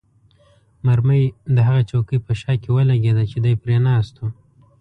مرمۍ د هغه چوکۍ په شا کې ولګېده چې دی پرې ناست وو.